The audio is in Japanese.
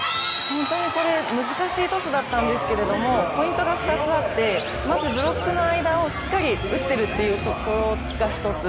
本当に難しいトスだったんですけどポイントが２つあって、まずブロックの間をしっかり打ってるってところが一つ。